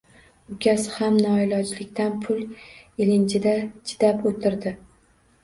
Ukasi ham noilojlikdan pul ilinjida chidab oʻtirdi.